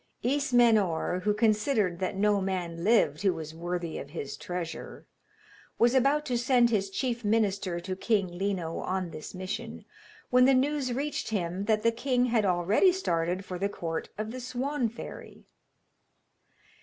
Ismenor, who considered that no man lived who was worthy of his treasure, was about to send his chief minister to King Lino on this mission, when the news reached him that the king had already started for the court of the Swan fairy.